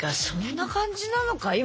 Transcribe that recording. そんな感じなのか？